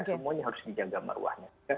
semuanya harus dijaga maruahnya